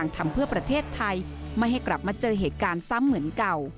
ทำเพื่อประเทศไทยไม่ให้กลับมาเจอเหตุการณ์ซ้ำเหมือนเก่า